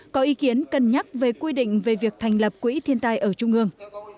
có ý kiến cân nhắc về quy định về việc thành lập quỹ thiên tai ở trung ương